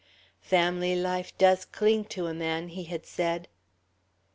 "Family life does cling to a man," he had said.